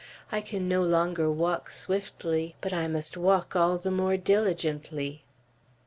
I can no longer walk swiftly, but I must walk all the more diligently."